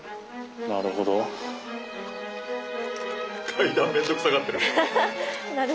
階段面倒くさがってる。